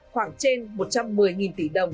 khoảng trên một trăm một mươi tỷ đồng